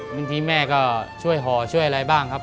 บางทีแม่ก็ช่วยห่อช่วยอะไรบ้างครับ